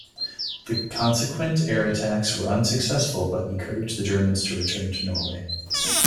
The consequent air attacks where unsuccessful but encouraged the Germans to return to Norway.